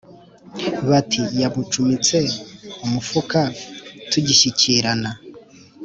Bati: "Yamucumitse umufuka tugishyikirana,